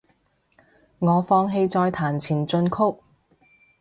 我放棄再彈前進曲